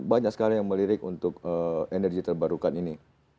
banyak sekali yang melirik untuk energi terbarukan ini